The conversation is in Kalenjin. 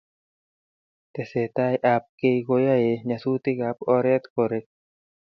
Tesetai ab kei ko yae nyasutik ab oret ko rek